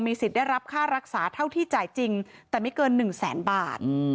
สิทธิ์ได้รับค่ารักษาเท่าที่จ่ายจริงแต่ไม่เกิน๑แสนบาท